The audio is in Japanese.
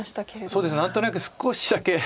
そうですね何となく少しだけ。